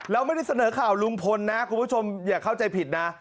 เราไม่ได้เสนอข่าวลุงพลนะคุณผู้ชมอย่าเข้าใจผิดนะ